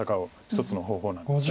一つの方法なんです。